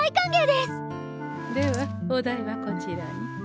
ではお代はこちらに。